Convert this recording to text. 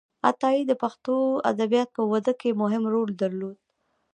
عطایي د پښتو ادبياتو په وده کې مهم رول درلود.